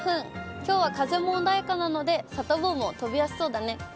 きょうは風も穏やかなので、サタボーも飛びやすそうだね。